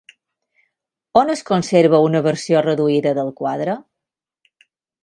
On es conserva una versió reduïda del quadre?